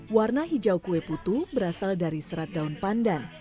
warna hijau kue putu berasal dari serat daun pandan